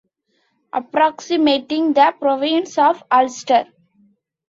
Approximating the province of Ulster.